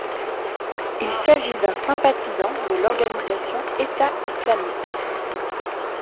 Il s'agit d'un sympathisant de l'organisation état islamique.